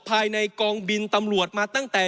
ภายในกองบินตำรวจมาตั้งแต่